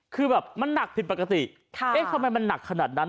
คือแบบมันหนักผิดปกติเอ๊ะทำไมมันหนักขนาดนั้น